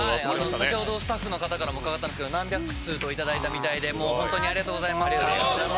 先ほどスタッフの方からも伺ったんですけど何百通もいただいたみたいでもう本当にありがとうございます。